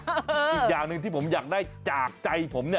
อีกอย่างหนึ่งที่ผมอยากได้จากใจผมเนี่ย